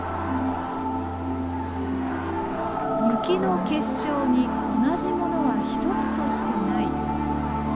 「雪の結晶に同じものは一つとしてない」。